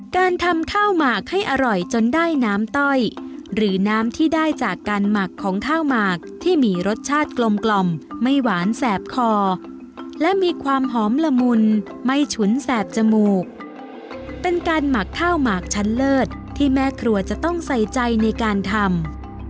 การทำข้าวหมากให้อร่อยจนได้น้ำต้อยหรือน้ำที่ได้จากการหมักของข้าวหมากที่มีรสชาติกลมไม่หวานแสบคอและมีความหอมละมุนไม่ฉุนแสบจมูกเป็นการหมักข้าวหมากชั้นเลิศที่แม่ครัวจะต้องใส่ใจในการทำ